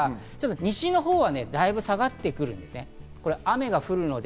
西の方はだいぶ下がってくるんですね、雨が降るので。